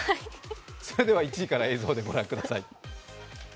それでは１位から映像でご覧ください。